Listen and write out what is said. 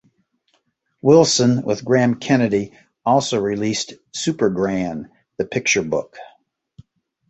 Wilson, with Graham Kennedy, also released "Super Gran: The Picture Book".